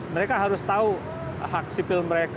mereka harus tahu hak sipil mereka